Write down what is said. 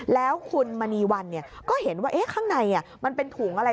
แล้วคุณมณีวันก็เห็นว่าข้างในมันเป็นถุงอะไร